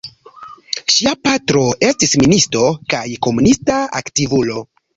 Ŝia patro estis ministo kaj komunista aktivulo.